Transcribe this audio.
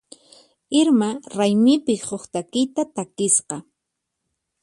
Irma raymipi huk takiyta takisqa.